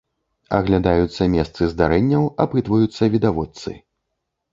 Аглядаюцца месцы здарэнняў, апытваюцца відавочцы.